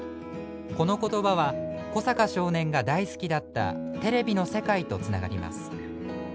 この言葉は古坂少年が大好きだったテレビの世界とつながります。